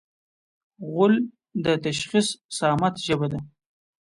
غول د تشخیص صامت ژبه ده.